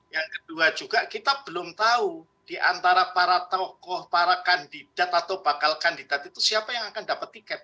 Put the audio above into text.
yang kedua juga kita belum tahu diantara para tokoh para kandidat atau bakal kandidat itu siapa yang akan dapat tiket